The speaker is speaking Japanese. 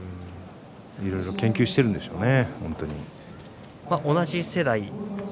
いろいろ研究しているんでしょうね